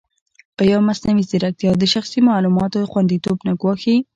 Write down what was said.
ایا مصنوعي ځیرکتیا د شخصي معلوماتو خوندیتوب نه ګواښي؟